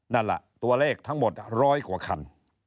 นั่นแหละตัวเลขทั้งหมด๑๐๐กว่าคัน